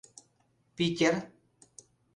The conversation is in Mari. Питер...